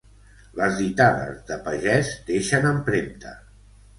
Les ditades de Pagès deixen empremta.